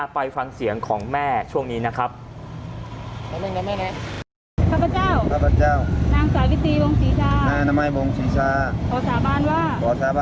ไปฟังเสียงของแม่ช่วงนี้นะครับ